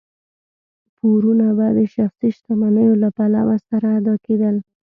پورونه به د شخصي شتمنیو له پلور سره ادا کېدل.